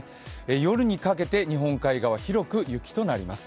夜にかけて日本海側、広く雪となります。